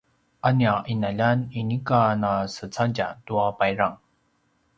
a nia ’inaljan inika nasecadja tua payrang